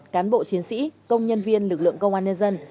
cán bộ chiến sĩ công nhân viên lực lượng công an nhân dân